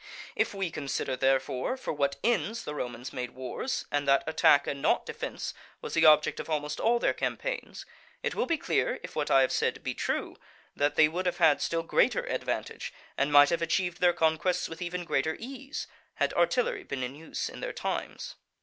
If we consider, therefore, for what ends the Romans made wars, and that attack and not defence was the object of almost all their campaigns, it will be clear, if what I have said be true, that they would have had still greater advantage, and might have achieved their conquests with even greater ease, had artillery been in use in their times.